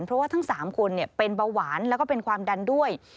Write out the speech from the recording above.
เพราะว่าทั้ง๓คนเป็นเบาหวานแล้วก็เป็นความดันด้วย